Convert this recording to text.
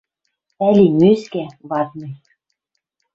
Ӓли мӧскӓ, ватный